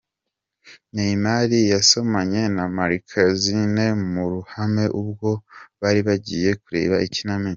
Neymar yasomanye na Marquezine mu ruhame ubwo bari bagiye kureba ikinamico.